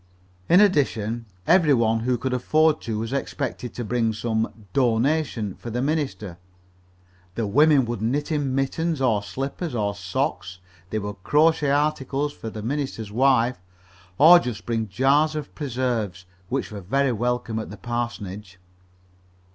In addition, every one who could afford to was expected to bring some "donation" for the minister. The women would knit him mittens, or slippers, or socks, they would crochet articles for the minister's wife, or bring jars of preserves, which were very welcome at the parsonage.